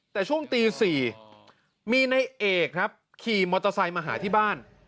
แต่ช่วงตี๔มีในเอกครับขี่มอเตอร์ไซค์มาหาที่บ้าน